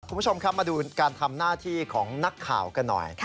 คุณผู้ชมครับมาดูการทำหน้าที่ของนักข่าวกันหน่อย